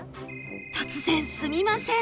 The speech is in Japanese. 突然すみません